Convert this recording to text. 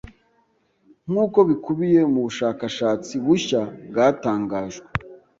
nkuko bikubiye mu bushakashatsi bushya bwatangajwe.